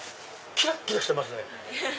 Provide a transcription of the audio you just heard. キラキラしてますね。